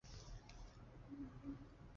数千辽军没有战胜萧海里。